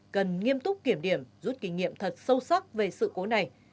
cần nghiêm túc kiểm điểm rút kinh nghiệm thật sâu sắc về sự cố này